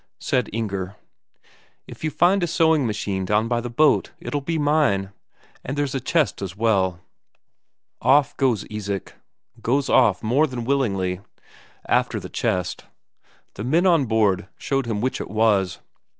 Said Inger: "If you find a sewing machine down by the boat, it'll be mine. And there's a chest as well." Off goes Isak, goes off more than willingly, after the chest; the men on board showed him which it was.